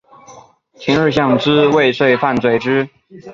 前二项之未遂犯罚之。